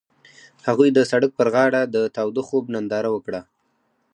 هغوی د سړک پر غاړه د تاوده خوب ننداره وکړه.